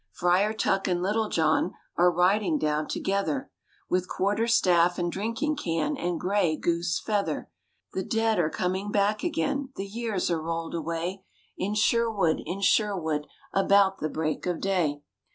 Friar Tuck and Little John are riding down together With quarter staff and drinking can and gray goose feather; The dead are coming back again; the years are rolled away In Sherwood, in Sherwood, about the break of day.